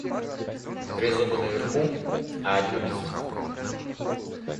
Три зуба наверху, а один внизу.